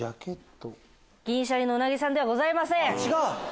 銀シャリの鰻さんではございません。